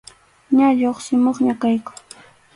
Ña lluqsimuqña kayku.